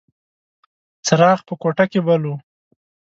څراغ په کوټه کې بل و.